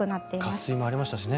渇水などありましたしね。